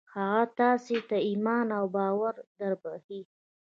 هغه تاسې ته ايمان او باور دربښي.